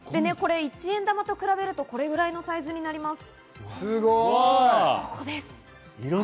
１円玉と比べると、これぐらいのサイズになります。